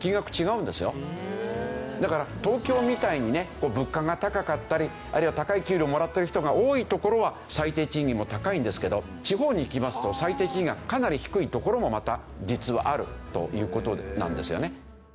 だから東京みたいにね物価が高かったりあるいは高い給料をもらっている人が多い所は最低賃金も高いんですけど地方に行きますと最低賃金がかなり低い所もまた実はあるという事なんですよね。